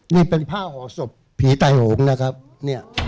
นี่เป็นผ้าห่อศพผีแตงโมนะครับเนี่ย